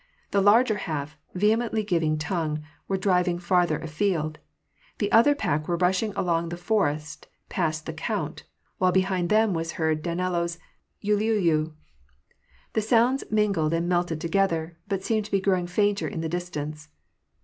The larger half, vehemently giving tongue, were driving farther afield ; the other pack were rushing along the forest past the count, while behind them was heard Dan ilo's uliuliu. The sounds mingled and melted together, but seemed to be growing fainter iii the distance.